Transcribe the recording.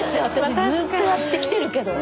私ずっとやってきてるけど。